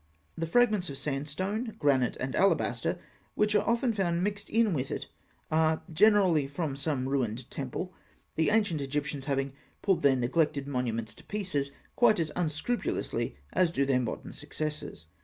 The fragments of sandstone, granite, and alabaster, which are often found mixed in with it, are generally from some ruined temple; the ancient Egyptians having pulled their neglected monuments to pieces quite as unscrupulously as do their modern successors.